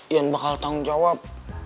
jan bakal tanggung jawab